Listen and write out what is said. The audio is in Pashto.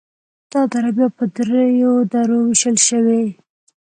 دا دره بیا په دریو درو ویشل شوي: